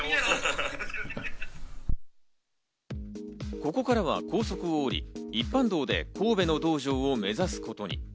ここからは高速を降り、一般道で神戸の道場を目指すことに。